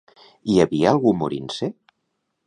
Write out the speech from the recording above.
Hi havia algú morint-se?